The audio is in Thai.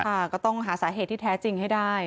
ค่ะก็ต้องหาสาเหตุที่แท้จริงให้ได้